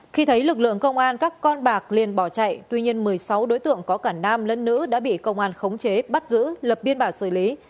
khi thấy lực lượng công an các con bạc liền bỏ chạy tuy nhiên một mươi sáu đối tượng có cả nam lẫn nữ đã bị công an khống chế bắt giữ lập biên bản xử lý